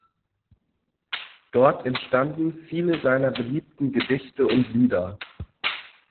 Dort entstanden viele seiner beliebten Gedichte und Lieder.